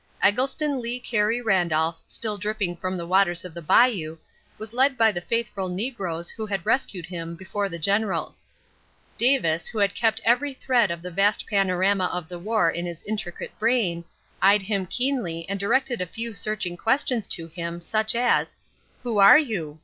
Eggleston Lee Carey Randolph, still dripping from the waters of the bayou, was led by the faithful negroes who had rescued him before the generals. Davis, who kept every thread of the vast panorama of the war in his intricate brain, eyed him keenly and directed a few searching questions to him, such as: "Who are you?